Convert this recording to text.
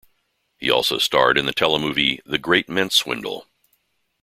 He also starred in the telemovie "The Great Mint Swindle".